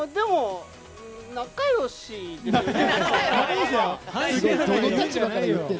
仲良しですよね。